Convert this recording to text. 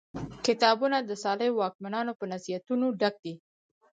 کتابونه د صالحو واکمنانو په نصیحتونو ډک دي.